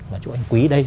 và chủ anh quý đây